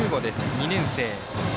２年生。